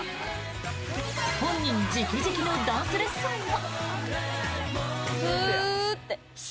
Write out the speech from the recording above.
本人直々のダンスレッスンも！